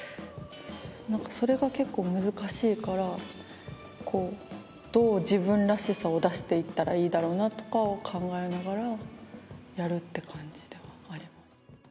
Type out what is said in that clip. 何かそれが結構難しいからこうどう自分らしさを出していったらいいだろうなとかを考えながらやるって感じではありました。